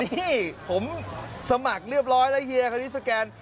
นี่ผมสมัครเรียบร้อยแล้วเฮียคนนี้สแกน